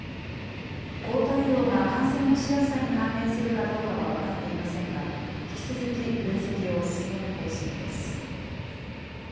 抗体量が感染のしやすさに関連するかどうかは分かっていませんが、引き続き分析を進める方針です。